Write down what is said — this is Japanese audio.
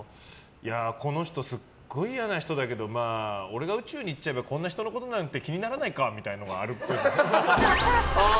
この人すっごい嫌な人だけどまあ俺が宇宙に行っちゃえばこんな人のことなんて気にならないかみたいなのがあるっぽい。